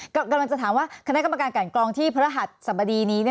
กำลังจะถามว่าคณะกรรมการกันกรองที่พระหัสสบดีนี้